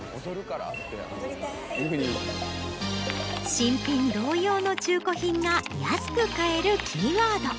新品同様の中古品が安く買えるキーワード。